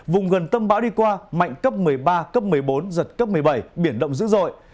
vùng gần tâm bão đi qua mạnh cấp một mươi ba cấp một mươi bốn giật cấp một mươi bảy biển động dữ dội